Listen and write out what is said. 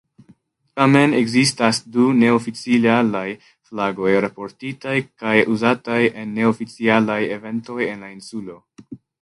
Tamen, ekzistas du neoficialaj flagoj raportitaj kaj uzataj en neoficialaj eventoj en la insulo.